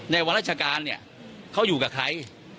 ในวันราชการเขาอยู่กับใคร